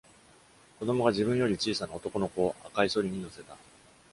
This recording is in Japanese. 子供が自分より小さな男の子を赤いそりに乗せた